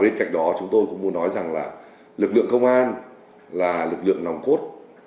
bên cạnh đó chúng tôi cũng muốn nói rằng là lực lượng công an là lực lượng nòng cốt